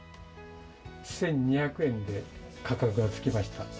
１２００円で価格がつきました。